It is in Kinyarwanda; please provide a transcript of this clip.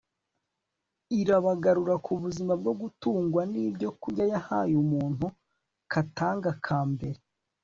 irabagarura ku buzima bwo gutungwa n'ibyokurya yahaye umuntu katanga ka mbere